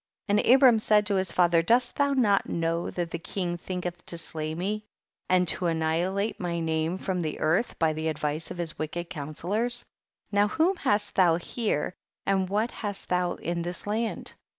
64. And Abram said to his father, dost thou not know that the king thinketh to slay me, and to annihi late my name from the earth by the advice of his wicked counsellors ? 65. Now whom hast thou here and what hast thou in this land